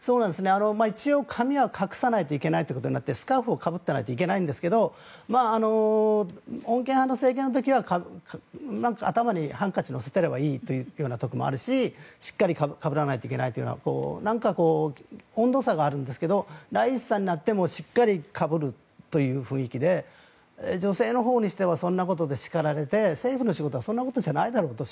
一応、髪は隠さないといけないということになってスカーフをかぶっていないといけないんですが穏健派の政権の時は頭にハンカチを乗せていればいいというところもあるししっかりかぶらないといけないというような温度差があるんですがライシさんになってしっかりかぶるという雰囲気で女性のほうにしてはそんなことでしかられて政府の仕事はそんなことじゃないだろうと。